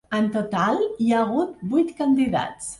En total hi ha hagut vuit candidats.